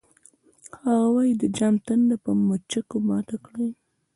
هغه وایی د جام تنده په مچکو ماته کړئ